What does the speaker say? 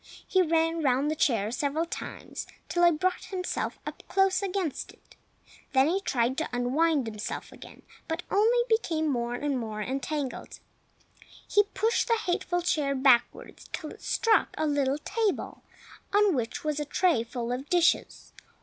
He ran round the chair several times, till he brought himself up close against it; then he tried to unwind himself again, but only became more and more entangled. He pushed the hateful chair backwards till it struck a little table on which was a tray full of dishes.